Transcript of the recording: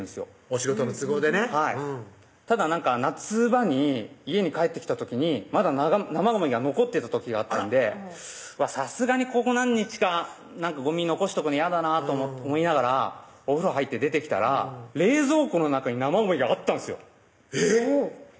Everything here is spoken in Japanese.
お仕事の都合でねはいただ夏場に家に帰ってきた時にまだ生ゴミが残ってた時があったんでさすがにここ何日かゴミ残しとくのやだなと思いながらお風呂入って出てきたら冷蔵庫の中に生ゴミがあったんですえぇっ！